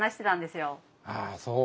ああそう。